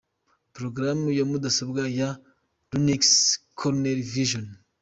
Porogaramu ya Mudasobwa ya Linux kernel version .